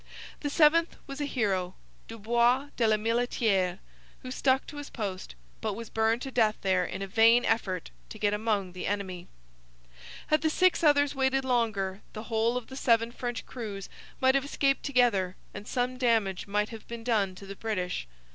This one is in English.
The seventh was a hero, Dubois de la Milletiere, who stuck to his post, but was burned to death there in a vain effort to get among the enemy. Had the six others waited longer the whole of the seven French crews might have escaped together and some damage might have been done to the British.